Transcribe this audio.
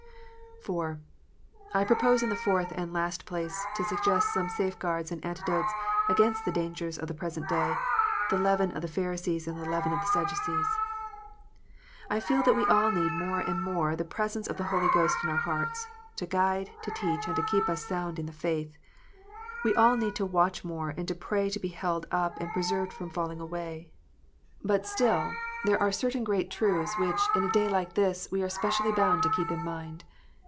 IV. I propose, in the fourth and last place, to suggest some safe guards and antidotes against the dangers of the present day, the leaven of the Pharisees and the leaven of the Sadducees. I feel that we all need more and more the presence of the Holy Ghost in our hearts, to guide, to teach, and to keep us sound in the faith. "We all need to watch more, and to pray to be held up, and preserved from falling away. But still, there PHABISEES AND SADPITCEES. 339 are certain great truths, which, in a day like this, we are specially bound to keep in mind.